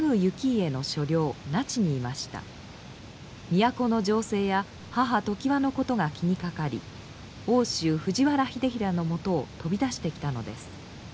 都の情勢や母常磐のことが気にかかり奥州藤原秀衡のもとを飛び出してきたのです。